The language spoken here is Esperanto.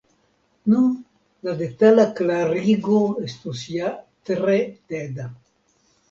Nu, la detala klarigo estus ja tre teda.